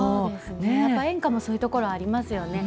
やっぱり演歌もそういうところありますよね。